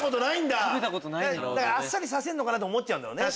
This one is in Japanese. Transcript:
だからあっさりさせるのかなと思っちゃうんだろうね